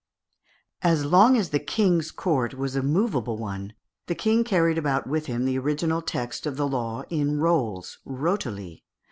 As long as the King's court was a movable one, the King carried about with him the original text of the law in rolls (rotuli).